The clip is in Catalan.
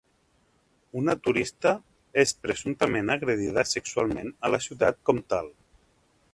Una turista és presumptament agredida sexualment a la Ciutat Comtal